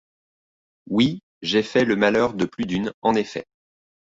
Oui, j’ai fait le malheur de plus d’une, en effet.